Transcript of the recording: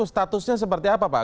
statusnya seperti apa pak